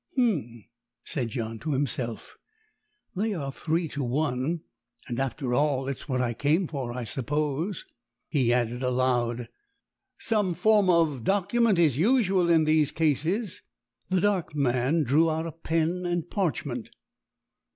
"H'm!" said John to himself, "they are three to one; and, after all, it's what I came for. I suppose," he added aloud, "some form of document is usual in these cases?" The dark man drew out pen and parchment.